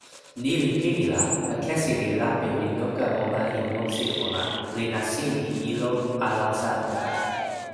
ni li pini la, akesi li lape e noka ona e monsi ona, li nasin e ilo alasa ona.